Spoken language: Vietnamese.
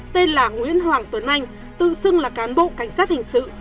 tên là nguyễn hoàng tuấn anh tự xưng là cán bộ cảnh sát hình sự